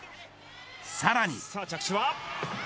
さらに。